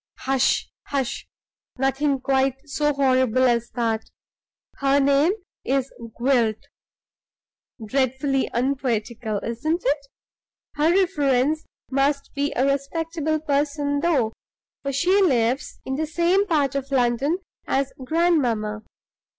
"Hush! hush! Nothing quite so horrible as that. Her name is Gwilt. Dreadfully unpoetical, isn't it? Her reference must be a respectable person, though; for she lives in the same part of London as grandmamma.